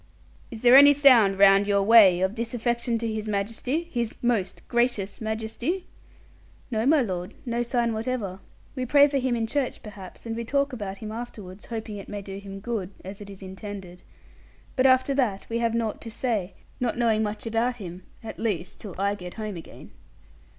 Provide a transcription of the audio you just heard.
'Is there any sound round your way of disaffection to His Majesty, His most gracious Majesty?' 'No, my lord: no sign whatever. We pray for him in church perhaps, and we talk about him afterwards, hoping it may do him good, as it is intended. But after that we have naught to say, not knowing much about him at least till I get home again.'